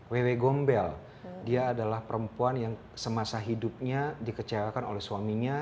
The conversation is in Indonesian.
wewe gombel dia adalah perempuan yang semasa hidupnya dikecewakan oleh suaminya